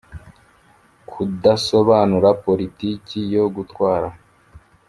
Kudasobanura politiki yo gutwara